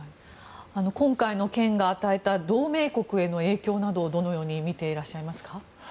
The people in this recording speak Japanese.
今回の件が与えた同盟国への影響などをどのようにみていらっしゃいますか。